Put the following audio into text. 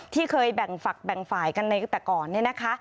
ที่เคยแบ่งฝักแบ่งฝ่ายกันในแต่ก่อนเนี่ยนะคะ